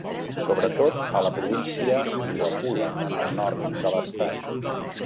Sobretot a la província Luapula, al nord de l'estat.